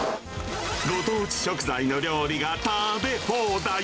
ご当地食材の料理が食べ放題。